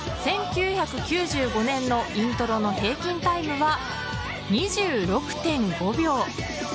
１９９５年のイントロの平均タイムは２６．５秒。